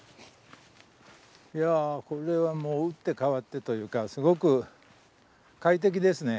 いやこれはもう打って変わってというかすごく快適ですね。